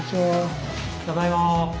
ただいま。